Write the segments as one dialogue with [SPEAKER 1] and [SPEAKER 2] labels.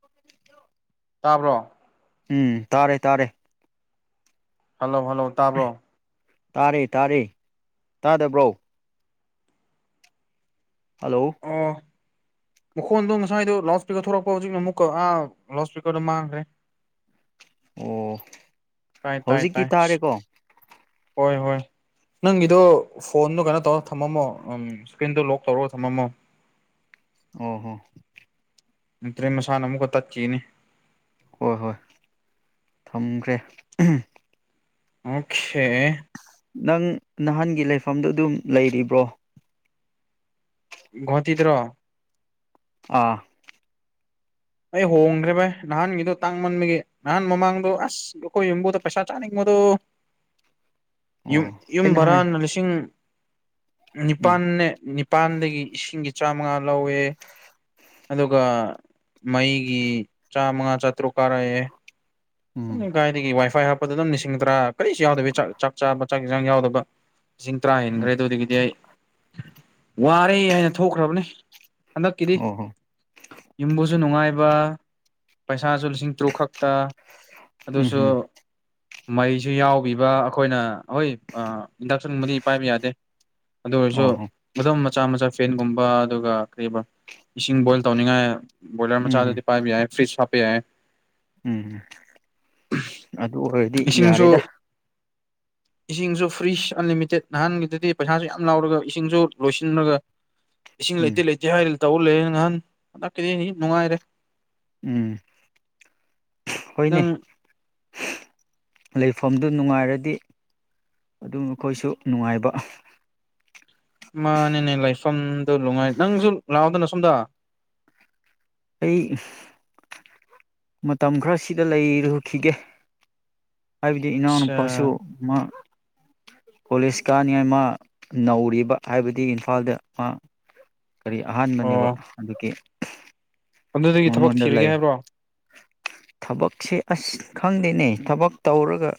[SPEAKER 1] ꯠꯇꯣ [unintelligible]
[SPEAKER 2] ꯇꯥꯕ꯭ꯔꯣ
[SPEAKER 1] ꯎꯝ ꯇꯥꯔꯦ ꯇꯥꯔꯦ
[SPEAKER 2] ꯍꯜꯂꯣ ꯍꯜꯂꯣ ꯇꯥꯕ꯭ꯔꯣ
[SPEAKER 1] ꯇꯥꯔꯦ ꯇꯥꯔꯦ ꯇꯥꯗꯕ꯭ꯔꯣ ꯍꯂꯣ
[SPEAKER 2] ꯑꯣ ꯃꯈꯣꯟꯗꯣ ꯉꯁꯥꯏꯗꯣ ꯂꯥꯎꯠ ꯏꯁꯄꯤꯀꯔ ꯊꯣꯛꯂꯛꯄ ꯍꯧꯖꯤꯛꯅ ꯑꯃꯨꯛꯀ ꯑꯥ ꯂꯥꯎꯠ ꯏꯁꯄꯤꯀꯔꯗ ꯃꯥꯡꯈ꯭ꯔꯦ
[SPEAKER 1] ꯑꯣ
[SPEAKER 2] ꯇꯥꯏ ꯇꯥꯏ
[SPEAKER 1] ꯍꯧꯖꯤꯛꯤ
[SPEAKER 2] ꯇꯥꯏ
[SPEAKER 1] ꯇꯥꯔꯦꯀꯣ
[SPEAKER 2] ꯍꯣꯏ ꯍꯣꯏ ꯅꯪꯒꯤꯗꯨꯣ ꯐꯣꯟꯗꯣ ꯀꯩꯅꯣ ꯇꯧꯔ ꯊꯝꯃꯝꯃꯣ ꯏꯁꯀ꯭ꯔꯤꯟꯗꯣ ꯂꯣꯛ ꯇꯧꯔꯒ ꯊꯝꯃꯝꯃꯣ
[SPEAKER 1] ꯑꯣ ꯍꯣ
[SPEAKER 2] ꯇ꯭ꯔꯔꯤ ꯃꯁꯥꯟꯅ ꯑꯃꯨꯛꯀ ꯇꯠꯈꯤꯅꯤ
[SPEAKER 1] ꯍꯣꯏ ꯍꯣꯏ ꯊꯝꯈ꯭ꯔꯦ
[SPEAKER 2] ꯑꯣꯁꯦ
[SPEAKER 1] ꯅꯪ ꯅꯍꯥꯟꯒꯤ ꯂꯩꯐꯝꯗꯨ ꯑꯗꯨꯝ ꯂꯩꯔꯤꯕ꯭ꯔꯣ
[SPEAKER 2] ꯇꯤꯗ꯭ꯔꯣ
[SPEAKER 1] ꯑꯥ
[SPEAKER 2] ꯑꯩ ꯍꯣꯡꯈ꯭ꯔꯦ ꯚꯥꯏ ꯅꯍꯥꯟꯒꯤꯗꯣ ꯇꯥꯡꯃꯟꯕꯒꯤ ꯅꯍꯥꯟ ꯃꯃꯥꯡꯗꯣ ꯑꯁ ꯑꯩꯈꯣꯏ ꯌꯨꯝꯕꯨꯗ ꯄꯩꯁꯥ ꯆꯥꯅꯤꯡꯕ ꯑꯣ
[SPEAKER 1] [unintelligible]
[SPEAKER 2] ꯌꯨꯝ
[SPEAKER 1] ꯑꯣ
[SPEAKER 2] ꯌꯨꯝ
[SPEAKER 1] ꯑꯩꯅ ꯍꯥꯏ
[SPEAKER 2] ꯕꯔꯥꯟꯅ ꯂꯤꯁꯤꯡ ꯍꯨꯒꯤꯍꯨꯖꯤꯚ ꯍꯤ
[SPEAKER 1] ꯎꯝ
[SPEAKER 2] ꯅꯤꯄꯥꯟꯅꯦꯅꯤ ꯄꯥꯟꯗꯒꯤ ꯏꯁꯤꯡꯒꯤ ꯆꯥꯃꯉꯥ ꯂꯧꯋꯦ ꯑꯗꯨꯒ ꯃꯩꯒꯤ ꯆꯥꯃꯉꯥ ꯆꯥꯇ꯭ꯔꯨꯛ ꯀꯥꯔꯛꯑꯦ
[SPEAKER 1] ꯎꯝ
[SPEAKER 2] ꯀꯥꯏꯗꯒꯤ ꯋꯥꯏꯐꯥꯏ ꯍꯥꯞ ꯄ ꯑꯗꯨꯝ ꯅꯤꯡꯁꯤꯡꯗ꯭ꯔꯥ ꯀꯔꯤꯁꯨ ꯌꯥꯎꯗ ꯆꯥꯛ ꯆꯥꯕ ꯆꯥꯛꯁꯥꯡ ꯌꯥꯎꯗꯕ ꯂꯤꯁꯤꯡ ꯇꯔꯥ
[SPEAKER 1] ꯎꯝ
[SPEAKER 2] ꯍꯦꯟꯈ꯭ꯔꯦ ꯑꯗꯨꯗꯒꯤꯗꯤ ꯑꯩ ꯋꯥꯔꯦ ꯍꯥꯏꯅ ꯊꯣꯛꯈ꯭ꯔꯕꯅꯦ ꯍꯜꯂꯣ ꯀꯤꯔꯤ
[SPEAKER 1] ꯑꯣ ꯍꯣ
[SPEAKER 2] ꯏꯁ ꯁꯨ ꯅꯨꯡꯉꯥꯏꯕ ꯄꯩꯁꯥꯁꯨ ꯂꯤꯁꯤꯡ ꯇꯔꯨꯛ ꯈꯛꯇ
[SPEAKER 1] ꯎꯝ
[SPEAKER 2] ꯑꯗꯨꯁꯨ
[SPEAKER 1] ꯎꯝ
[SPEAKER 2] ꯃꯩꯁꯨ ꯌꯥꯎꯕꯤꯕ ꯑꯩꯈꯣꯏꯅ ꯍꯣꯏ ꯏꯟꯗꯛꯁꯟꯒꯨꯝꯕꯗꯤ ꯄꯥꯏꯕ ꯌꯥꯗꯦ ꯑꯗꯨ ꯑꯣꯏꯔꯁꯨ
[SPEAKER 1] ꯑꯣ ꯍꯣ
[SPEAKER 2] ꯃꯝ ꯃꯆꯥ ꯃꯆꯥ ꯑꯗꯨꯒ ꯀꯨꯝ ꯏꯁꯤꯡ ꯕꯣꯏꯜ ꯇꯧꯅꯤꯡꯉꯥꯏ ꯕꯏꯂꯔ
[SPEAKER 1] ꯎꯝ ꯍꯝ
[SPEAKER 2] ꯃꯆꯥꯥꯗꯗꯤ ꯄꯥꯏꯕꯤ ꯌꯥꯦ ꯐ꯭ꯔꯔꯤꯖ ꯊꯄ ꯌꯥꯦ
[SPEAKER 1] ꯎꯝ ꯑꯗꯨ ꯑꯣꯏꯔꯗꯤ
[SPEAKER 2] ꯏꯁꯤꯡꯁꯨ
[SPEAKER 1] ꯌꯥꯔꯦꯗ
[SPEAKER 2] ꯏꯁꯤꯡꯁꯨ ꯐ꯭ꯔꯤꯁ ꯑꯟꯂꯤꯃꯤꯇꯦꯠ ꯅꯍꯥꯟꯒꯤꯗꯗꯤ ꯄꯩꯁꯥꯁꯨ ꯌꯥꯝ ꯂꯥꯎꯔꯒ ꯏꯁꯤꯡꯁꯨ ꯂꯣꯏꯁꯤꯟꯂꯒ ꯏꯁꯤꯡ
[SPEAKER 1] ꯎꯝ
[SPEAKER 2] ꯂꯩꯇꯦ ꯂꯩꯇꯦ ꯍꯥꯏꯔꯤ ꯇꯧ ꯂꯩꯦ ꯅꯍꯥꯟ ꯍꯟꯗꯛꯀꯤꯗꯤ ꯅꯨꯡꯉꯥꯏꯔꯦ
[SPEAKER 1] ꯎꯝ ꯍꯅꯦ
[SPEAKER 2] ꯅꯪ
[SPEAKER 1] ꯂꯩꯐꯝꯗꯨ ꯅꯨꯡꯉꯥꯏꯔꯗꯤ ꯑꯗꯨ ꯃꯈꯣꯏꯁꯨ ꯅꯨꯡꯉꯥꯏꯕ
[SPEAKER 2] ꯃꯥꯅꯦꯅꯦ ꯂꯥꯏꯐꯝꯗꯨ ꯅꯨꯡꯉꯥꯏ ꯅꯪꯁꯨ ꯂꯥꯛꯑꯣꯗꯅ ꯁꯣꯝꯗ
[SPEAKER 1] ꯑꯩ ꯃꯇꯝ ꯈꯔ ꯁꯤꯗ ꯂꯩꯔꯨꯈꯤꯒꯦ ꯍꯥꯏꯕꯗꯤ
[SPEAKER 2] ꯑꯠꯆꯥ
[SPEAKER 1] ꯏꯅꯥꯎꯅꯨꯄꯥꯁꯨ ꯀꯣꯂꯦꯖ ꯀꯥꯅꯤꯉꯥꯏ ꯃꯥ ꯅꯧꯔꯤꯕ ꯍꯥꯏꯕꯗꯤ ꯏꯝꯐꯥꯜꯗ ꯃꯥ ꯀꯔꯤ
[SPEAKER 2] ꯑꯣ
[SPEAKER 1] ꯑꯍꯥꯟꯕꯅꯦꯕ ꯑꯗꯨꯒꯤ
[SPEAKER 2] ꯑꯗꯨꯗꯒꯤ ꯊꯕꯛ
[SPEAKER 1] ꯃꯉꯣꯟꯗ ꯂꯩ
[SPEAKER 2] ꯊꯤꯔꯒꯦ ꯍꯥꯏꯕ꯭ꯔꯣ
[SPEAKER 1] ꯊꯕꯛꯁꯦ ꯑꯁ ꯈꯪꯗꯦꯅꯦ ꯊꯕꯛ ꯇꯧꯔꯒ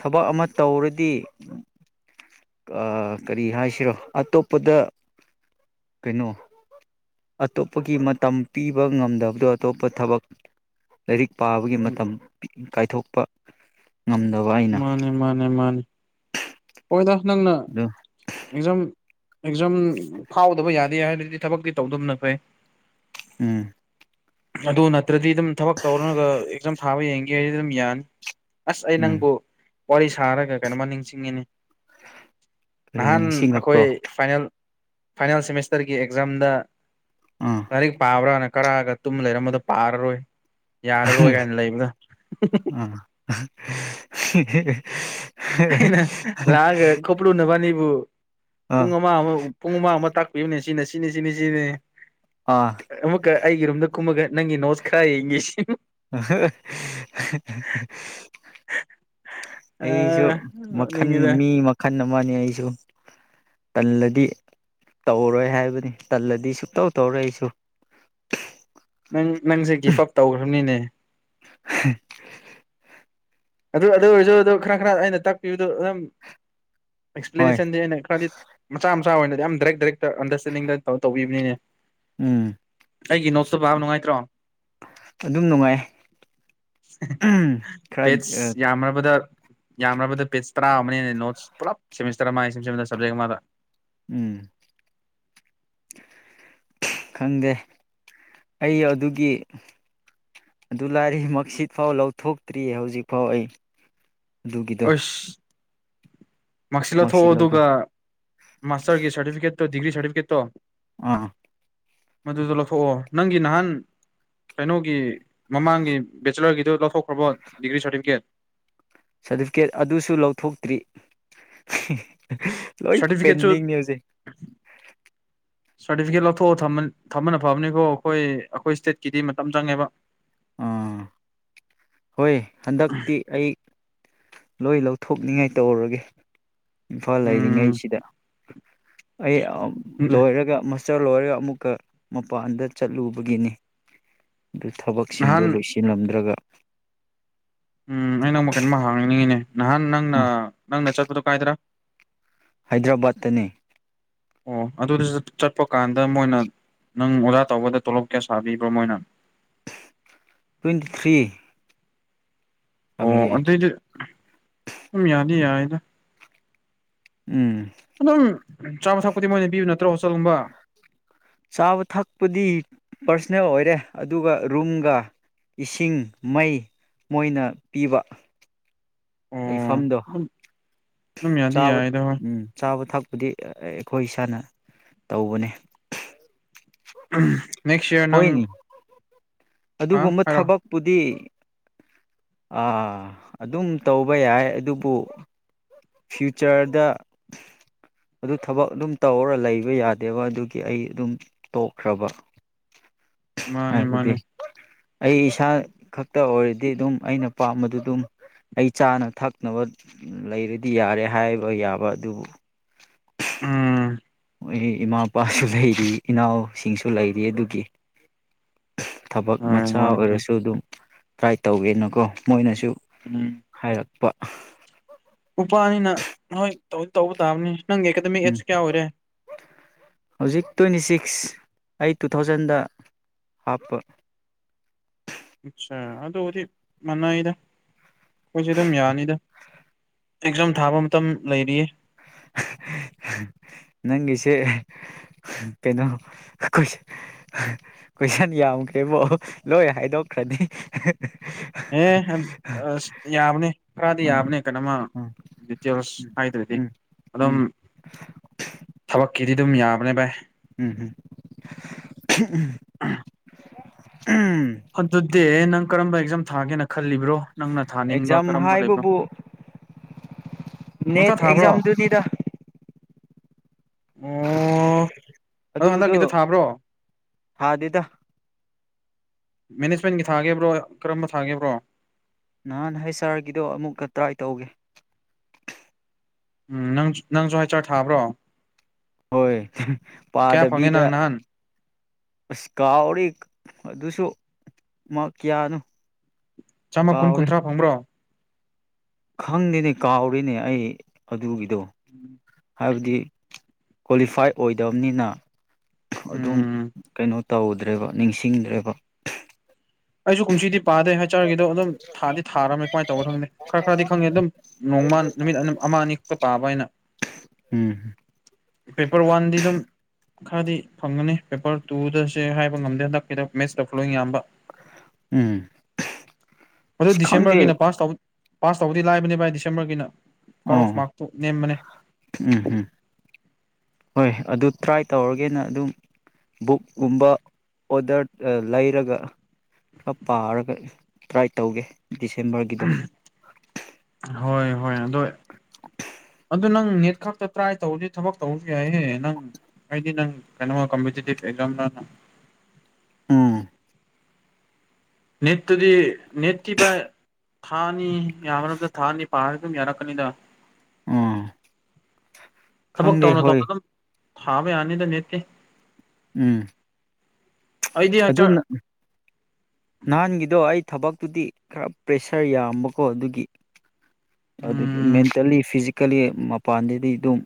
[SPEAKER 1] ꯊꯕꯛ ꯑꯃ ꯇꯧꯔꯗꯤ ꯀꯔꯤ ꯍꯥꯏꯁꯤꯔꯣ ꯑꯇꯣꯞꯄꯗ ꯀꯩꯅꯣ ꯑꯇꯣꯞꯄꯒꯤ ꯃꯇꯝ ꯄꯤꯕ ꯉꯝꯗꯕꯗꯣ ꯑꯇꯣꯞꯄ ꯊꯕꯛ ꯂꯥꯏꯔꯤꯛ ꯄꯥꯕꯒꯤ
[SPEAKER 2] ꯎꯝ
[SPEAKER 1] ꯃꯇꯝ ꯀꯥꯏꯊꯣꯛꯄ ꯉꯝꯗꯕ ꯑꯩꯅ
[SPEAKER 2] ꯃꯥꯅꯦ ꯃꯥꯅꯦ ꯃꯥꯅꯦ ꯍꯣꯏꯗ ꯅꯪꯅ
[SPEAKER 1] ꯑꯗꯨ
[SPEAKER 2] ꯑꯦꯖꯝ ꯑꯦꯖꯝ ꯐꯥꯎꯗꯕ ꯌꯥꯗꯦ ꯍꯥꯏꯔꯗꯨꯗꯤ ꯊꯕꯛꯇꯤ ꯇꯧꯗꯕꯅ ꯐꯩ
[SPEAKER 1] ꯎꯝ
[SPEAKER 2] ꯑꯗꯨ ꯅꯠꯇ꯭ꯔꯗꯤ ꯑꯗꯨꯝ ꯊꯕꯛ ꯇꯧꯔꯒ ꯑꯦꯛꯖꯥꯝ ꯊꯥꯕ ꯌꯦꯡꯒꯦ ꯍꯥꯏꯗꯤ ꯑꯗꯨꯝ ꯌꯥꯅꯤ ꯑꯁ ꯑꯩ
[SPEAKER 1] ꯎꯝ
[SPEAKER 2] ꯅꯪꯕꯨ ꯋꯥꯔꯤ ꯁꯥꯔꯒ ꯀꯩꯅꯣꯃ ꯅꯤꯡꯁꯤꯡꯉꯤꯅꯤ
[SPEAKER 1] ꯀꯔꯤ
[SPEAKER 2] ꯅꯍꯥꯟ ꯑꯩꯈꯣꯏ
[SPEAKER 1] ꯅꯤꯡꯁꯤꯡꯂꯛꯄ꯭ꯔꯣ
[SPEAKER 2] ꯐꯥꯏꯅꯦꯜ ꯐꯥꯏꯅꯦꯜ ꯁꯦꯃꯤꯁꯇꯔꯒꯤ ꯑꯦꯛꯖꯥꯝꯗ
[SPEAKER 1] ꯑꯥ
[SPEAKER 2] ꯂꯥꯏꯔꯤꯛ ꯄꯥꯕ꯭ꯔꯥꯅ ꯀꯔꯥꯒ ꯇꯨꯝ ꯂꯩꯔꯝꯕꯗꯣ ꯄꯥꯔꯔꯣꯏ ꯌꯥꯔꯔꯣꯏ ꯀꯥꯏꯅ ꯂꯩꯕꯗ
[SPEAKER 1] ꯑꯥ [unintelligible]
[SPEAKER 2] ꯅ ꯂꯒ ꯀꯄꯔꯨ ꯅꯕꯅꯤꯕꯨ ꯄꯨꯡ ꯑꯃ ꯑꯃ ꯄꯨꯡ ꯑꯃ ꯑꯃ ꯇꯥꯛꯄꯤꯕꯅꯦ ꯁꯤꯅ ꯁꯤ ꯁꯤꯅꯤ ꯁꯤꯅꯤ ꯁꯤꯅꯤ
[SPEAKER 1] ꯑꯥ
[SPEAKER 2] ꯑꯃꯨꯛꯀ ꯑꯩꯒꯤ ꯔꯨꯝꯝꯗ ꯀꯨꯝꯃꯒ ꯅꯪꯒꯤ ꯅꯣꯁ ꯈꯔꯥꯏ ꯏꯁꯤ
[SPEAKER 1] ꯑꯩꯁꯨ ꯃꯈꯟ ꯃꯤ ꯃꯈꯜ ꯑꯃꯅꯤ ꯑꯩꯁꯨ ꯇꯜꯂꯗꯤ ꯇꯧꯔꯣꯏ ꯍꯥꯏꯕꯅꯤ ꯇꯜꯂꯗꯤ ꯁꯨꯛꯇꯧ ꯇꯧꯔꯛꯏꯁꯨ
[SPEAKER 2] ꯅꯪ ꯅꯪꯁꯦ ꯒꯤꯐ ꯑꯞ ꯇꯧꯈ꯭ꯔꯕꯅꯤꯅꯦ
[SPEAKER 1] [unintelligible]
[SPEAKER 2] ꯑꯗꯨ ꯑꯗꯨ ꯑꯣꯏꯔꯁꯨ ꯑꯗꯨ ꯈꯔ ꯈꯔ ꯑꯩꯅ ꯇꯥꯛꯄꯤꯕꯗꯣ ꯑꯗꯨꯝ
[SPEAKER 1] ꯍꯣꯏ
[SPEAKER 2] ꯑꯦꯛꯁꯄ꯭ꯂꯦꯅꯦꯁꯟꯗꯤ ꯑꯩꯅ ꯈꯔꯗꯤ ꯃꯆꯥ ꯃꯆꯥ ꯑꯣꯏꯅꯗꯤ ꯌꯥꯝ ꯗꯥꯏꯔꯦꯛ ꯗꯥꯏꯔꯦꯛꯇ ꯑꯟꯗꯔꯁꯇꯦꯟꯗꯤꯡꯗꯧ ꯇꯧꯕꯤꯕꯅꯤꯅꯦ
[SPEAKER 1] ꯎꯝ
[SPEAKER 2] ꯑꯩꯒꯤ ꯅꯣꯠꯁꯇꯣ ꯄꯥꯕ ꯅꯨꯡꯉꯥꯏꯇ꯭ꯔꯣ
[SPEAKER 1] ꯑꯗꯨꯝ ꯅꯨꯡꯉꯥꯏ ꯈꯔ
[SPEAKER 2] ꯌꯥꯝꯕꯗ ꯌꯥꯝꯕꯗ ꯄꯦꯖ ꯇꯔꯥ ꯑꯃꯅꯦ ꯅꯣꯠꯁ ꯄꯨꯂꯞ ꯁꯦꯃꯤꯁꯇꯔ ꯑꯃ ꯁꯖꯦꯛ ꯃꯥ
[SPEAKER 1] ꯎꯝ ꯈꯪꯗꯦ ꯑꯩ ꯑꯗꯨꯒꯤ ꯑꯗꯨ ꯂꯥꯏꯔꯤ ꯃꯁꯤꯠ ꯐꯥꯎ ꯂꯧꯊꯣꯛꯇ꯭ꯔꯤꯌꯦ ꯍꯧꯖꯤꯛꯐꯥꯎ ꯑꯩ ꯑꯗꯨꯒꯤꯗꯣ
[SPEAKER 2] ꯃꯁꯤꯜ
[SPEAKER 1] ꯃꯥꯔꯛꯁꯤꯠ
[SPEAKER 2] ꯂꯧꯊꯣꯛꯑꯣ
[SPEAKER 1] ꯂꯧꯗꯣ
[SPEAKER 2] ꯑꯗꯨꯒ ꯃꯥꯁꯇꯔꯒꯤ ꯁꯥꯔꯇꯤꯐꯤꯀꯦꯠꯇꯣ ꯗꯤꯒ꯭ꯔꯤ ꯁꯥꯔꯇꯤꯐꯤꯀꯦꯠꯇꯣ
[SPEAKER 1] ꯑꯥ
[SPEAKER 2] ꯃꯗꯨꯗꯣ ꯂꯧꯊꯣꯛꯑꯣ ꯅꯪꯒꯤ ꯅꯍꯥꯟ ꯀꯩꯅꯣꯒꯤ ꯃꯃꯥꯡꯒꯤ ꯕꯦꯆꯤꯂꯔꯒꯤꯗꯨꯣ ꯂꯧꯊꯣꯛꯈ꯭ꯔꯕꯣ ꯗꯤꯒ꯭ꯔꯤ ꯁꯥꯔꯇꯤꯐꯤꯀꯦꯠ
[SPEAKER 1] ꯁꯥꯔꯇꯤꯐꯤꯀꯦꯠ ꯑꯗꯨꯁꯨ ꯂꯧꯊꯣꯛꯇ꯭ꯔꯤ ꯂꯣꯏ
[SPEAKER 2] ꯁꯥꯔꯇꯤꯐꯤꯀꯦꯠꯁꯨ
[SPEAKER 1] ꯄꯦꯟꯗꯤꯡꯅꯦ ꯍꯧꯖꯤꯛ
[SPEAKER 2] ꯁꯥꯔꯇꯤꯐꯤꯀꯦꯠ ꯂꯧꯊꯣꯛꯑꯣ ꯊꯝꯕꯅ ꯐꯕꯅꯤꯀꯣ ꯑꯩꯈꯣꯏ ꯑꯩꯈꯣꯏ ꯏꯁꯇꯦꯠꯀꯤꯗꯤ ꯃꯇꯝ ꯆꯪꯉꯦꯕ
[SPEAKER 1] ꯑꯥ ꯍꯣꯏ ꯍꯟꯗꯛꯇꯤ ꯑꯩ ꯂꯣꯏ ꯂꯧꯊꯣꯛꯅꯤꯉꯥꯏ ꯇꯧꯔꯒꯦ ꯏꯝꯐꯥꯜ
[SPEAKER 2] ꯎꯝ
[SPEAKER 1] ꯂꯩꯔꯤꯉꯩꯁꯤꯗ ꯑꯩ ꯂꯣꯏꯔꯒ ꯆꯠꯂꯣꯏꯔꯒ ꯑꯃꯨꯛꯀ ꯃꯄꯥꯟꯗ ꯆꯠꯂꯨꯕꯒꯤꯅꯤ ꯑꯗꯨ
[SPEAKER 2] ꯅꯍꯥꯟ
[SPEAKER 1] ꯁꯤꯡꯗꯨꯣ ꯂꯣꯏꯁꯤꯜꯂꯝꯗ꯭ꯔꯒ
[SPEAKER 2] ꯎꯝ ꯑ ꯅꯪ ꯃꯈꯜ ꯑꯃ ꯍꯥꯡꯅꯤꯡꯅꯤꯡꯉꯤꯅꯦ ꯅꯍꯥꯟ ꯅꯪꯅ
[SPEAKER 1] ꯎꯝ
[SPEAKER 2] ꯅꯪꯅ ꯆꯠꯄꯗꯣ ꯀꯥꯏꯗ꯭ꯔꯥ
[SPEAKER 1] ꯍꯥꯏꯗ꯭ꯔꯕꯥꯠꯇꯅꯤ
[SPEAKER 2] ꯑꯣ ꯑꯗꯨꯗꯨ ꯆꯠꯄ ꯀꯥꯟꯗ ꯃꯣꯏꯅ ꯅꯪ ꯑꯣꯗꯔ ꯇꯧꯕꯗ ꯇꯣꯂꯣꯞ ꯀꯌꯥ ꯁꯥꯕꯤꯕ꯭ꯔꯣ ꯃꯣꯏꯅ
[SPEAKER 1] ꯇ꯭ꯋꯦꯟꯇꯤ ꯊ꯭ꯔꯤ
[SPEAKER 2] ꯑꯣ
[SPEAKER 1] ꯑꯕꯤꯌꯦ
[SPEAKER 2] ꯑꯗꯩꯗꯤ ꯁꯨꯝ ꯌꯥꯅꯤ ꯌꯥꯔꯗ
[SPEAKER 1] ꯎꯝ
[SPEAKER 2] ꯑꯗꯨꯝ ꯆꯥꯕ ꯊꯛꯄꯨꯗꯤ ꯃꯣꯏꯅ ꯄꯤꯌꯨ ꯅꯠꯇ꯭ꯔꯣ ꯍꯣ ꯆꯠꯒꯨꯝꯕ
[SPEAKER 1] ꯆꯥꯕ ꯊꯛꯄꯗꯤ ꯄꯥꯔꯁꯣꯅꯦꯜ ꯑꯣꯏꯔꯦ ꯑꯗꯨꯒ ꯔꯨꯝꯒ ꯏꯁꯤꯡ ꯃꯩ ꯃꯣꯏꯅ ꯄꯤꯕ
[SPEAKER 2] ꯑꯣ
[SPEAKER 1] ꯂꯩꯐꯝꯗꯣ
[SPEAKER 2] ꯑꯗꯨꯝ ꯑꯗꯨꯝ ꯌꯥꯗꯤ
[SPEAKER 1] ꯆꯥꯕꯝ
[SPEAKER 2] ꯌꯥꯏꯗ ꯍꯣꯏ
[SPEAKER 1] ꯆꯥꯕ ꯊꯛꯄꯗꯤ ꯑꯩꯈꯣꯏ ꯏꯁꯥꯅ ꯇꯧꯕꯅꯦ
[SPEAKER 2] ꯅꯦꯛꯁ ꯏꯌꯥꯔ ꯅꯪ
[SPEAKER 1] ꯍꯣꯏꯅꯤ
[SPEAKER 2] ꯍꯥ
[SPEAKER 1] ꯑꯗꯨꯒꯨꯝꯕ
[SPEAKER 2] ꯍꯥꯏꯔꯣ
[SPEAKER 1] ꯊꯕꯛꯄꯨꯗꯤ ꯑꯗꯨꯝ ꯇꯧꯕ ꯌꯥꯏ ꯑꯗꯨꯕꯨ ꯐ꯭ꯌꯨꯆꯔꯗ ꯑꯗꯨ ꯊꯕꯛ ꯑꯗꯨꯝ ꯇꯧꯔ ꯂꯩꯕ ꯌꯥꯗꯦꯕ ꯑꯗꯨꯒꯤ ꯑꯩ ꯑꯗꯨꯝ ꯇꯣꯛꯈ꯭ꯔꯕ [unintelligible] [inaudible]
[SPEAKER 2] ꯃꯥꯅꯦ
[SPEAKER 1] ꯍꯥꯏꯕꯗꯤ
[SPEAKER 2] ꯃꯥꯅꯦ
[SPEAKER 1] ꯑꯩ ꯏꯁꯥ ꯈꯛꯇ ꯑꯣꯏꯔꯗꯤ ꯑꯗꯨꯝ ꯑꯩꯅ ꯄꯥꯝꯕꯗꯨ ꯑꯗꯨꯝ ꯑꯩ ꯆꯥꯅ ꯊꯛꯅꯕ ꯂꯩꯔꯗꯤ ꯌꯥꯔꯦ ꯍꯥꯏꯕ ꯌꯥꯕ ꯑꯗꯨꯕꯨ
[SPEAKER 2] ꯎꯝ
[SPEAKER 1] ꯑꯩ ꯏꯃꯥ ꯏꯄꯥꯁꯨ ꯂꯩꯔꯤ ꯏꯅꯥꯎꯁꯤꯡꯁꯨ ꯂꯩꯔꯤ ꯑꯗꯨꯒꯤ ꯊꯕꯛ
[SPEAKER 2] ꯍꯣꯏ
[SPEAKER 1] ꯃꯆꯥ
[SPEAKER 2] ꯍꯣꯏ ꯍꯣꯏ
[SPEAKER 1] ꯑꯣꯏꯔꯁꯨ ꯑꯗꯨꯝ ꯇ꯭ꯔꯥꯏ ꯇꯧꯋꯦꯅꯀꯣ ꯃꯣꯏꯅꯁꯨ
[SPEAKER 2] ꯎꯝ
[SPEAKER 1] ꯍꯥꯏꯔꯛꯄ
[SPEAKER 2] ꯅꯨꯄꯥꯅꯤꯅ ꯅꯣꯏꯧ ꯇꯧꯕ ꯇꯥꯕꯅꯤ ꯅꯪꯒꯤ ꯑꯦꯀꯥꯗꯃꯤꯛ
[SPEAKER 1] ꯎꯝ
[SPEAKER 2] ꯑꯦꯖꯁ ꯀꯌꯥ ꯑꯣꯏꯔꯦ
[SPEAKER 1] ꯍꯧꯖꯤꯛ ꯇ꯭ꯋꯦꯟꯇꯤ ꯁꯤꯛꯁ ꯑꯩ ꯇꯨ ꯊꯥꯎꯖꯟꯗ ꯍꯥꯞꯄ [unintelligible] [inaudible]
[SPEAKER 2] ꯑꯆꯥ ꯑꯗꯨꯕꯨꯗꯤ ꯃꯅꯥꯏꯗ ꯑꯩꯈꯣꯏꯁ ꯑꯗꯨꯝ ꯌꯥꯅꯤꯗ ꯑꯦꯛꯖꯥꯝ ꯊꯥꯕ ꯃꯇꯝ ꯂꯩꯔꯤꯌꯦ
[SPEAKER 1] ꯅꯪꯒꯤꯁꯦ ꯀꯩꯅꯣ ꯀꯣꯏꯁꯟ ꯌꯥꯝꯈ꯭ꯔꯦꯕꯣ ꯂꯣꯏ ꯍꯥꯏꯗꯣꯛ ꯈ꯭ꯔꯗꯤ
[SPEAKER 2] ꯑꯦ ꯌꯥꯕꯅꯦ ꯈꯔꯗꯤ
[SPEAKER 1] ꯑ
[SPEAKER 2] ꯌꯥꯕꯅꯦ ꯀꯩꯅꯃ
[SPEAKER 1] ꯑ
[SPEAKER 2] ꯇꯦꯦꯜꯁ
[SPEAKER 1] ꯎꯝ
[SPEAKER 2] ꯍꯥꯏꯗꯔꯤꯗꯤ
[SPEAKER 1] ꯎꯝ
[SPEAKER 2] ꯑꯗꯨꯝ ꯊꯕꯛꯀꯤꯗꯤ ꯑꯗꯨꯝ ꯌꯥꯕꯅꯦ ꯚꯥꯏ
[SPEAKER 1] ꯎꯝ ꯎꯝ ꯎꯝ
[SPEAKER 2] ꯑꯗꯨꯗꯤ ꯅꯪ ꯀꯔꯝꯕ ꯑꯦꯛꯖꯥꯝ ꯊꯥꯒꯦꯅ ꯈꯜꯂꯤꯕ꯭ꯔꯣ ꯅꯪꯅ ꯊꯥꯅꯤꯡꯕ
[SPEAKER 1] ꯑꯦꯛꯖꯥꯝ
[SPEAKER 2] ꯀꯔꯝꯕ ꯂꯩꯕꯅꯣ
[SPEAKER 1] ꯍꯥꯏꯕꯕꯨ ꯅꯦꯠ
[SPEAKER 2] ꯊꯥꯕ꯭ꯔꯣ
[SPEAKER 1] ꯑꯦꯛꯖꯝ ꯇ ꯇꯗ
[SPEAKER 2] ꯎꯝ ꯑꯗꯣ
[SPEAKER 1] ꯑꯗꯨꯗꯣ
[SPEAKER 2] ꯍꯟꯗꯛꯀꯤꯗ ꯊꯥꯕ꯭ꯔꯣ
[SPEAKER 1] ꯊꯥꯗꯦꯗ
[SPEAKER 2] ꯃꯦꯅꯦꯖꯃꯦꯟꯒꯤ ꯊꯥꯒꯦꯕ꯭ꯔꯣ ꯀꯔꯝꯕ ꯊꯥꯒꯦꯕ꯭ꯔꯣ
[SPEAKER 1] ꯅꯍꯥꯟ ꯍꯥꯏ ꯁꯥꯔꯒꯤꯗꯣ ꯑꯃꯨꯛꯀ ꯇ꯭ꯔꯥꯏ ꯇꯧꯒꯦ
[SPEAKER 2] ꯎꯝ ꯅꯪ ꯅꯪꯁꯨ ꯍꯆꯔ ꯊꯥꯕ꯭ꯔꯣ
[SPEAKER 1] ꯍꯣꯏ
[SPEAKER 2] ꯀꯌꯥ ꯐꯪꯉꯦ
[SPEAKER 1] ꯄꯥꯗꯕꯤꯗ
[SPEAKER 2] ꯅꯪ ꯅꯍꯥꯟ
[SPEAKER 1] ꯑꯁ ꯀꯥꯎꯔꯤ ꯑꯗꯨꯁꯨ ꯃꯥ ꯀꯌꯥꯅꯣ
[SPEAKER 2] ꯆꯥꯝꯃ ꯀꯨꯟ
[SPEAKER 1] ꯀꯥꯎꯔꯦ
[SPEAKER 2] ꯀꯨꯟꯊ꯭ꯔꯥ ꯐꯪꯕ꯭ꯔꯣ
[SPEAKER 1] ꯈꯪꯗꯦꯅꯦ ꯀꯥꯎꯔꯤꯅꯦ ꯑꯩ ꯑꯗꯨꯒꯤꯗꯣ
[SPEAKER 2] ꯎꯝ
[SPEAKER 1] ꯍꯥꯏꯕꯗꯤ ꯀ꯭ꯋꯥꯂꯤꯐꯥꯏ ꯑꯣꯏꯗꯕꯅꯤꯅ ꯑꯗꯨꯝ
[SPEAKER 2] ꯎꯝ
[SPEAKER 1] ꯀꯩꯅꯣ ꯇꯧꯗ꯭ꯔꯦꯕ ꯅꯤꯡꯁꯤꯡꯗ꯭ꯔꯦꯕ
[SPEAKER 2] ꯑꯩꯁꯨ ꯀꯨꯝꯁꯤꯗꯤ ꯄꯥꯗꯦ ꯍꯥꯏ ꯆꯔꯒꯤꯗꯣ ꯑꯗꯨꯝ ꯊꯥꯗꯤ ꯊꯥꯔꯝꯃꯦ ꯀꯃꯥꯏꯅ ꯇꯧꯅꯣ ꯈꯪꯗꯦ ꯈꯔ ꯈꯔꯗꯤ ꯈꯪꯉꯦ ꯑꯗꯨꯝ ꯅꯣꯡꯃ ꯅꯨꯃꯤꯠ ꯑꯗꯨꯝ ꯅꯤꯛꯇ ꯄꯥꯕ ꯍꯥꯏꯅ
[SPEAKER 1] ꯎꯝ
[SPEAKER 2] ꯄꯦꯄꯔ ꯋꯥꯟꯗꯤ ꯑꯗꯨꯝ ꯈꯔꯗꯤ ꯐꯪꯒꯅꯤ ꯄꯦꯄꯔ ꯇꯨꯗꯁꯦ ꯍꯥꯏꯕ ꯉꯝꯗꯦ ꯍꯟꯗꯛꯀꯤꯗ ꯃꯦꯠꯁꯇ ꯐꯣꯂꯣꯤꯡ ꯌꯥꯝꯕ
[SPEAKER 1] ꯎꯝ
[SPEAKER 2] ꯑꯗꯨ
[SPEAKER 1] ꯑꯁ ꯈꯪꯗꯦ
[SPEAKER 2] ꯗꯤꯁꯦꯝꯕꯔꯒꯤꯅ ꯄꯥꯁ ꯇ ꯄꯥꯁ ꯇꯧꯕꯗꯤ ꯂꯥꯏꯕꯅꯦ ꯕꯥꯏ ꯗꯤꯁꯦꯝꯕꯔꯒꯤꯅ ꯀꯥꯔꯠ
[SPEAKER 1] ꯑꯣ
[SPEAKER 2] ꯑꯣꯐ ꯃꯥꯔꯛꯇꯨ ꯅꯦꯝꯕꯅꯦ
[SPEAKER 1] ꯎꯝ ꯎꯝ ꯍꯣꯏ ꯑꯗꯨ ꯇ꯭ꯔꯥꯏ ꯇꯧꯔꯒꯦꯅ ꯑꯗꯨꯝ ꯕꯨꯛꯀꯨꯝꯕ ꯑꯣꯗꯔ ꯂꯩꯔꯒ ꯈꯔ ꯄꯥꯔꯒ ꯇ꯭ꯔꯥꯏ ꯇꯧꯒꯦ ꯗꯤꯁꯦꯝꯕꯔꯒꯤꯗꯣ
[SPEAKER 2] ꯍꯣꯏ ꯍꯣꯏ ꯑꯗꯣ ꯑꯗꯨ ꯅꯪ ꯅꯦꯠ ꯈꯛꯇ ꯇ꯭ꯔꯥꯏ ꯇꯧꯔꯁꯤ ꯊꯕꯛ ꯇꯧꯔꯁꯨ ꯌꯥꯏꯍꯦ ꯅꯪ ꯍꯥꯏꯗꯤ ꯅꯪ ꯀꯩꯅꯣ ꯀꯝꯄꯤꯇꯦꯇ ꯑꯦꯛꯁꯝꯅ
[SPEAKER 1] ꯎꯝ
[SPEAKER 2] ꯅꯠꯇꯗꯤ ꯅꯠꯇꯀꯤ ꯄ ꯊꯥꯅꯤ ꯌꯥꯝꯝꯗ ꯊꯥꯅꯤ ꯄꯥꯔꯒ ꯑꯗꯨꯝ ꯌꯥꯔꯛꯀꯅꯤꯗ
[SPEAKER 1] ꯎꯝ
[SPEAKER 2] ꯊꯕꯛ
[SPEAKER 1] ꯈꯪꯗꯦ
[SPEAKER 2] ꯇꯧꯅ ꯇꯧ
[SPEAKER 1] ꯍꯣꯏ
[SPEAKER 2] ꯑꯗꯨ ꯊꯥꯕ ꯌꯥꯅꯤꯗ ꯅꯠꯇꯦ
[SPEAKER 1] ꯎꯝ
[SPEAKER 2] ꯑꯩꯗꯤ
[SPEAKER 1] ꯑꯗꯨ
[SPEAKER 2] ꯍꯆꯔ
[SPEAKER 1] ꯅꯍꯥꯟꯒꯤꯗꯣ ꯑꯩ ꯊꯕꯛꯇꯨꯗꯤ ꯈꯔ ꯄ꯭ꯔꯦꯁꯔ ꯌꯥꯝꯕꯀꯣ ꯑꯗꯨꯒꯤ ꯑꯗꯨꯒꯤ
[SPEAKER 2] ꯎꯝ
[SPEAKER 1] ꯃꯦꯟꯇꯦꯜꯂꯤ ꯐꯤ ꯀꯜꯂꯤ ꯃꯄꯥꯟꯗꯗꯤ ꯑꯗꯨꯝ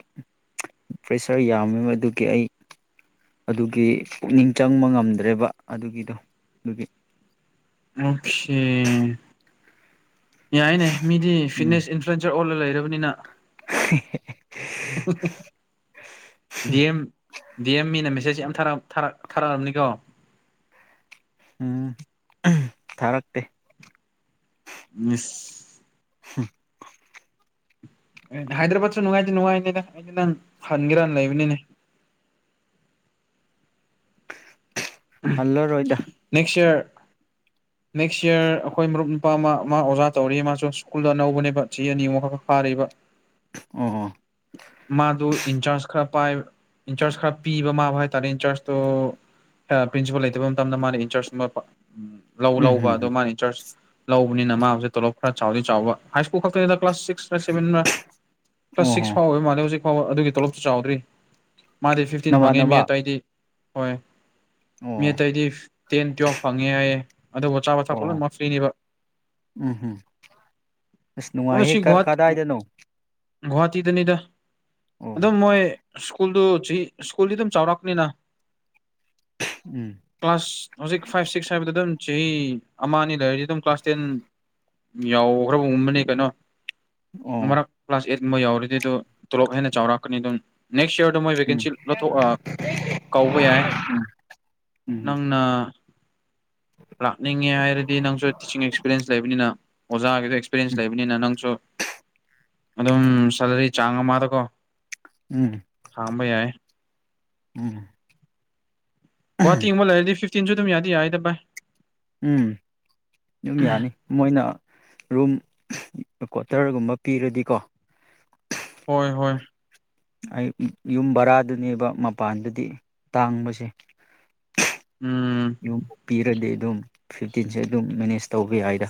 [SPEAKER 1] ꯄ꯭ꯔꯦꯁꯔ ꯌꯥꯝꯃꯦꯕ ꯑꯗꯨꯒꯤ ꯑꯩ ꯑꯗꯨꯒꯤ ꯄꯨꯛꯅꯤꯡ ꯆꯪꯕ ꯉꯝꯗ꯭ꯔꯦꯕ ꯑꯗꯨꯒꯤꯗꯣ ꯑꯗꯨꯒꯤ
[SPEAKER 2] [unintelligible] ꯌꯥꯏꯅꯦ ꯃꯤꯗꯤ
[SPEAKER 1] ꯎꯝ
[SPEAKER 2] ꯐꯤꯠꯅꯦꯁ ꯏꯟꯐ꯭ꯂꯨꯌꯦꯟꯁꯔ ꯑꯣꯜꯂꯒ ꯂꯩꯔꯕꯅꯤꯅ
[SPEAKER 1] [unintelligible]
[SPEAKER 2] ꯗꯤꯦꯝ ꯗꯤ ꯑꯦꯝ ꯃꯤꯅ ꯃꯦꯁꯦꯖ ꯌꯥꯝ ꯊꯥꯔꯛꯑꯕꯅꯤꯀꯣ
[SPEAKER 1] ꯎꯝ ꯊꯥꯔꯛꯇꯦ
[SPEAKER 2] ꯃꯤꯁ
[SPEAKER 1] ꯍꯨꯝ
[SPEAKER 2] ꯑꯦ ꯍꯥꯏꯗ꯭ꯔꯕꯥꯠꯁꯨ ꯅꯨꯡꯉꯥꯏꯗꯤ ꯅꯨꯡꯉꯥꯏꯅꯦꯅꯦ ꯑꯩꯁꯨ ꯅꯪ ꯍꯟꯒꯦꯔꯅ ꯂꯩꯕꯅꯤꯅꯦ
[SPEAKER 1] [inaudible] ꯍꯜꯂꯣ ꯔꯣꯍꯤꯗꯥ
[SPEAKER 2] ꯅꯦꯛꯁ ꯌꯔ
[SPEAKER 1] [inaudible]
[SPEAKER 2] ꯅꯦꯛꯁ ꯌꯔ ꯑꯩꯈꯣꯏ ꯃꯔꯨꯞ ꯅꯨꯄꯥ ꯑꯃ ꯃꯥ ꯑꯣꯖꯥ ꯇꯧꯔꯤ ꯃꯥꯁꯨ ꯁ꯭ꯀꯨꯜꯗ ꯑꯅꯧꯕꯅꯦꯕ ꯆꯍꯤ ꯑꯅꯤ ꯑꯨꯛꯈꯛ ꯐꯥꯔꯤ ꯂꯩꯕ
[SPEAKER 1] ꯑꯣ ꯍꯣ
[SPEAKER 2] ꯃꯥꯗꯨ ꯏꯟꯆꯥꯔꯖ ꯈꯔ ꯄꯥꯏ ꯏꯟꯆꯥꯔꯖ ꯈꯔ ꯄꯤꯕ ꯃꯥꯕ ꯍꯥꯏ ꯇꯥꯔꯦ ꯏꯟꯆꯔꯖꯇꯣ ꯄ꯭ꯔꯤꯟꯁꯤꯄꯥꯜ ꯂꯩꯇꯕ ꯃꯇꯝꯗ ꯃꯥꯅ ꯏꯟꯆꯥꯔꯖ ꯎꯝ ꯂꯧ
[SPEAKER 1] ꯎꯝ
[SPEAKER 2] ꯂꯧꯕ ꯑꯗꯨ
[SPEAKER 1] ꯍꯝ
[SPEAKER 2] ꯃꯥꯅꯤ ꯆꯔꯆ ꯂꯧꯕꯅꯤꯅ ꯃꯥꯕꯨꯁꯦ ꯇꯣꯂꯣꯞ ꯈꯔ ꯆꯥꯎꯗꯤ ꯆꯥꯎꯕ ꯍꯥꯏ ꯁ꯭ꯀꯨꯜ ꯈꯛꯇꯗ ꯀ꯭ꯂꯥꯁ ꯁꯤꯛꯁ ꯁꯚꯦꯟ ꯀ꯭ꯂꯥꯁ
[SPEAKER 1] ꯑꯣ ꯍꯣ
[SPEAKER 2] ꯁꯤꯛꯁ ꯐꯥꯎꯕꯕ ꯃꯥꯜꯂꯦ ꯍꯧꯖꯤꯛ ꯐꯥꯎꯕ ꯑꯗꯨꯒꯤ ꯇꯣꯂꯣꯞꯇꯨ ꯆꯥꯎꯗ꯭ꯔꯤ ꯃꯥꯗꯤ ꯐꯤꯐꯇꯤꯟ ꯐꯪꯉꯤ ꯃꯤ
[SPEAKER 1] ꯅꯃꯥꯟꯅꯕ
[SPEAKER 2] ꯑꯇꯩꯏꯗꯤ ꯍꯣꯏ
[SPEAKER 1] ꯑꯣ
[SPEAKER 2] ꯃꯤ ꯑꯇꯩꯗꯤ ꯇꯦꯟ ꯇꯨꯋꯦꯜꯐ ꯐꯪꯉꯦ ꯍꯥꯏꯌꯦꯦ ꯑꯗꯨꯕꯨ ꯑꯆꯥ ꯑꯊꯛ ꯄ
[SPEAKER 1] ꯑꯣ
[SPEAKER 2] ꯂꯣꯏꯅꯃꯛ ꯐ꯭ꯔꯤꯅꯦꯕ
[SPEAKER 1] ꯎꯝ ꯍꯝ ꯑꯁ
[SPEAKER 2] ꯑꯗꯣ
[SPEAKER 1] ꯅꯨꯡꯉꯥꯏꯍꯦ
[SPEAKER 2] ꯁꯤ ꯒꯨꯍꯥꯇꯤ
[SPEAKER 1] ꯀꯗꯥꯏꯗꯅꯣ
[SPEAKER 2] ꯒꯨꯍꯥꯇꯤꯗꯅꯤꯗ
[SPEAKER 1] ꯑꯣ
[SPEAKER 2] ꯑꯗꯨꯝ ꯃꯣꯏ ꯁ꯭ꯀꯨꯜꯗꯨ ꯍꯧ ꯁ꯭ꯀꯨꯜꯗꯤ ꯑꯗꯨꯝ ꯆꯥꯎꯔꯛꯅꯤꯅ
[SPEAKER 1] ꯎꯝ
[SPEAKER 2] ꯀ꯭ꯂꯥꯁ ꯍꯧꯖꯤꯛ ꯐꯥꯏꯚ ꯁꯤꯛꯁ ꯍꯥꯏꯕꯗ ꯑꯗꯨꯝ ꯆꯍꯤ ꯑꯃ ꯑꯅꯤ ꯂꯩꯔꯗꯤ ꯑꯗꯨꯝ ꯀ꯭ꯂꯥꯁ ꯇꯦꯟ ꯌꯥꯎꯈꯔ ꯎꯃꯅꯤ ꯀꯩꯅꯣ
[SPEAKER 1] ꯑꯣ
[SPEAKER 2] ꯃꯔꯛ ꯀ꯭ꯂꯥꯁ ꯑꯩꯠꯀꯨꯝꯕ ꯌꯥꯎꯔꯤꯗꯤ ꯑꯗꯨ ꯇꯣꯂꯣꯞ ꯍꯦꯟꯅ ꯆꯥꯎꯔꯛꯀꯅꯤ ꯑꯗꯨꯝ ꯅꯦꯛꯁ ꯌꯔꯗ ꯃꯣꯏ
[SPEAKER 1] ꯎꯝ
[SPEAKER 2] ꯕꯦꯀꯦꯟꯁꯤ ꯂꯧꯊꯣꯛ ꯀꯕ ꯌꯥꯏ
[SPEAKER 1] ꯎꯝ
[SPEAKER 2] ꯅꯪꯅ ꯂꯥꯛꯅꯤꯡꯉꯦ ꯍꯥꯏꯔꯗꯤ ꯅꯪꯁꯨ ꯇꯤꯆꯤꯡ ꯑꯦꯛꯁꯄꯤꯔꯦꯟꯁ ꯂꯩꯕꯅꯤꯅ ꯑꯣꯖꯥꯒꯤꯁꯨ ꯑꯦꯛꯁꯄꯤꯔꯟꯁ
[SPEAKER 1] ꯎꯝ
[SPEAKER 2] ꯂꯩꯕꯅꯤꯅ ꯅꯪꯁꯨ ꯑꯗꯨꯝ ꯁꯦꯂꯔꯤ ꯆꯥꯡ ꯑꯃꯗꯀꯣ
[SPEAKER 1] ꯎꯝ
[SPEAKER 2] ꯍꯥꯡꯕꯩ ꯌꯥ
[SPEAKER 1] ꯎꯝ
[SPEAKER 2] ꯒꯨꯍꯥꯇꯤꯒꯕ ꯂꯩꯔꯗꯤ ꯐꯤꯐꯇꯤꯟꯁꯨ ꯑꯗꯨꯝ ꯌꯥꯗꯤ ꯌꯥꯏꯗ ꯚꯥꯏ
[SPEAKER 1] ꯎꯝ ꯑꯗꯨꯝ ꯌꯥꯅꯤ ꯃꯣꯏꯅ ꯔꯨꯝ ꯀ꯭ꯋꯥꯇꯔꯒꯨꯝꯕ ꯄꯤꯔꯗꯤꯀꯣ
[SPEAKER 2] ꯍꯣꯏ ꯍꯣꯏ
[SPEAKER 1] ꯑꯩ ꯌꯨꯝ ꯕꯔꯥꯗꯨꯅꯦꯕ ꯃꯄꯥꯟꯗꯨꯗꯤ ꯇꯥꯡꯕꯁꯦ
[SPEAKER 2] ꯎꯝ
[SPEAKER 1] ꯌꯨꯝ ꯄꯤꯔꯗꯦ ꯑꯗꯨꯝ ꯐꯤꯞꯇꯤꯟꯁꯦ ꯑꯗꯨꯝ ꯃꯦꯅꯦꯖ ꯇꯧꯕ ꯌꯥꯏꯗ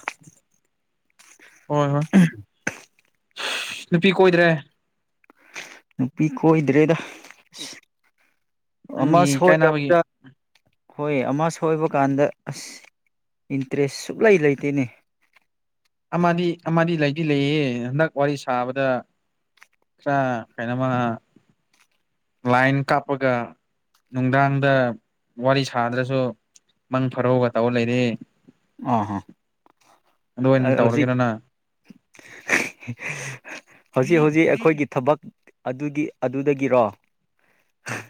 [SPEAKER 2] ꯍꯣꯏ ꯍꯣꯏ ꯅꯨꯄꯤ ꯀꯣꯏꯗ꯭ꯔꯦ
[SPEAKER 1] ꯅꯨꯄꯤ ꯀꯣꯏꯗ꯭ꯔꯦꯗ ꯑ
[SPEAKER 2] ꯅꯪꯒꯤ
[SPEAKER 1] ꯑꯃꯁ ꯍꯣꯏ
[SPEAKER 2] ꯀꯥꯏꯅꯕꯒꯤ
[SPEAKER 1] ꯑꯗꯨꯖ ꯍꯣꯏ ꯑꯃ ꯁꯣꯏꯕ ꯀꯥꯟꯗ ꯑꯁ ꯏꯟꯇꯔꯦꯁ ꯁꯨꯛꯂꯩ ꯂꯩꯇꯦꯅꯦ
[SPEAKER 2] ꯑꯃꯗꯤ ꯑꯃꯗꯤ ꯂꯩꯗꯤ ꯂꯩꯌꯦ ꯍꯟꯗꯛ ꯋꯥꯔꯤ ꯁꯥꯕꯗ ꯈꯔ ꯀꯩꯅꯣꯃ ꯂꯥꯏꯟ ꯀꯥꯞꯄꯒ ꯅꯨꯡꯗꯥꯡꯗ ꯋꯥꯔꯤ ꯁꯥꯗ꯭ꯔꯁꯨ ꯃꯪ ꯐꯔꯧꯒ ꯇꯧꯔ ꯂꯩꯔꯤ
[SPEAKER 1] ꯑ
[SPEAKER 2] ꯑꯣꯏꯅ
[SPEAKER 1] ꯍꯧꯖꯤꯛ
[SPEAKER 2] ꯇꯧꯔꯒꯦꯔꯅ
[SPEAKER 1] ꯍꯧꯖꯤꯛ ꯍꯧꯖꯤꯛ ꯑꯩꯈꯣꯏꯒꯤ ꯊꯕꯛ ꯑꯗꯨꯒꯤ ꯑꯗꯨꯗꯒꯤꯔꯣ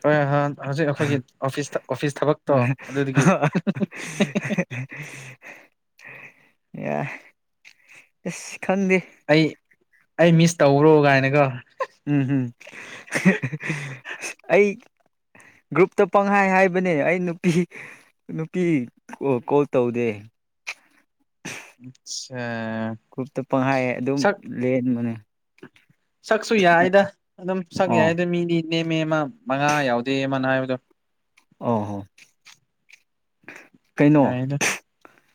[SPEAKER 2] ꯍꯣꯏ ꯍꯧꯖꯤꯛ ꯑꯩꯈꯣꯏꯒꯤ ꯑꯣꯐꯤꯁꯇ
[SPEAKER 1] [unintelligible] ꯌꯥ ꯈꯟꯗꯤ
[SPEAKER 2] ꯑꯩ ꯑꯩ ꯃꯤꯁ ꯇꯧꯈ꯭ꯔꯣ ꯀꯥꯏꯅꯒ
[SPEAKER 1] ꯎꯝꯝ ꯑꯩ ꯒ꯭ꯔꯨꯞꯇ ꯄꯪꯍꯥꯏ ꯍꯥꯏꯕꯅꯦ ꯑꯩ ꯅꯨꯄꯤ ꯅꯨꯄꯤ ꯀꯣꯜ ꯇꯧꯗꯦ [unintelligible]
[SPEAKER 2] ꯑꯆꯥ
[SPEAKER 1] ꯀꯨꯞꯇ ꯄꯪꯈꯥꯏꯌꯦ ꯑꯗꯨꯝ ꯂꯦꯟꯕꯅꯦ
[SPEAKER 2] ꯁꯛꯁꯨ ꯌꯥꯏꯗ ꯑꯗꯨꯝ ꯁꯛ
[SPEAKER 1] ꯑꯣ
[SPEAKER 2] ꯌꯥꯏꯗ ꯃꯤꯗꯤ ꯏꯅꯦ ꯃꯤ ꯑꯃ ꯃꯉꯥ ꯌꯥꯎꯗꯦ ꯑꯃꯅ ꯍꯥꯏꯕꯗꯣ
[SPEAKER 1] ꯑ ꯍꯣ ꯀꯩꯅꯣ
[SPEAKER 2] ꯑ ꯍꯥꯏꯅ